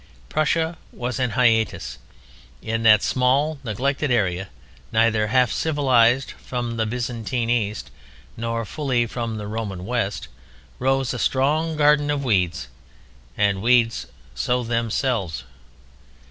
Prussia was an hiatus. In that small neglected area neither half cultivated from the Byzantine East nor fully from the Roman West rose a strong garden of weeds. And weeds sow themselves.